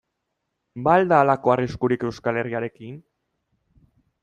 Ba al da halako arriskurik Euskal Herriarekin?